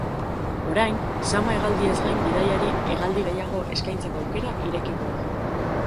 Orain, zama hegaldiez gain bidaiari hegaldi gehiago eskaintzeko aukera irekiko da.